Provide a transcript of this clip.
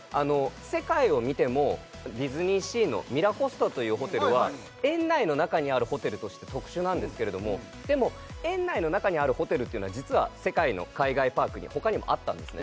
世界を見てもディズニーシーのミラコスタというホテルは園内の中にあるホテルとして特殊なんですけれどもでも園内の中にあるホテルっていうのは実は世界の海外パークにほかにもあったんですね